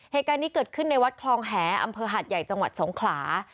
เหตุการณ์นี้เกิดขึ้นในวัดคลองแหอำเภอหาดใหญ่จังหวัดสงขลา